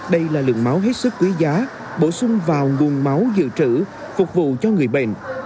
đây là lượng máu hết sức quý giá bổ sung vào nguồn máu dự trữ phục vụ cho người bệnh